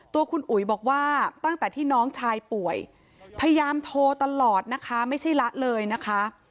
ตัวคุณอุ๋ยบอกว่าตั้งแต่ที่น้องชายป่วยพยายามโทรตลอดนะคะไม่ใช่ละเลยนะคะ